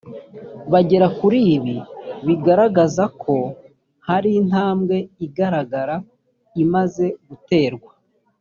bagera kuri ibi biragaragaza ko hari intambwe igaragara imaze guterwa